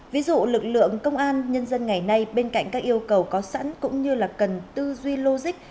ví dụ lực lượng công an nhân dân ngày nay bên cạnh các yêu cầu có sẵn cũng như là cần tư duy logic